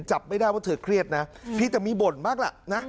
จับไม่ได้ว่าเธอเครียดนะเพียงแต่มีบ่นบ้างล่ะนะ